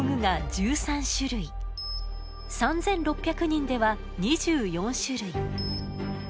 ３，６００人では２４種類。